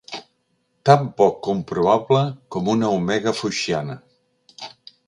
Tan poc comprovable com una omega foixiana.